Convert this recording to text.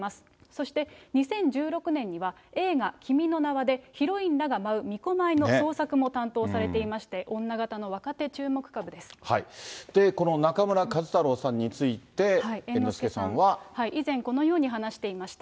そして２０１６年には、映画、君の名は。でヒロインらが舞う巫女舞の創作も担当されていまして、この中村壱太郎さんについて、以前このように話していました。